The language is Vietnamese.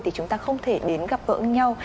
thì chúng ta không thể đến gặp gỡ nhau